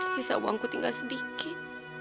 sisa uangku tinggal sedikit